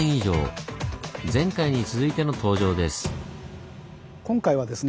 前回に続いての登場です。